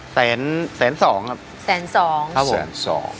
แสนแสนสองครับแสนสองครับผมแสนสอง